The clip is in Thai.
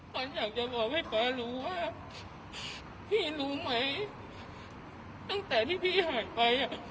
อยากจะบอกให้ป๊ารู้ว่าพี่รู้ไหมตั้งแต่ที่พี่หายไปอ่ะ